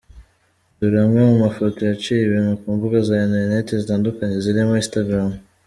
Dore amwe mu mafoto yaciye ibintu ku mbuga za interinet zitandukanye zirimo Instagram.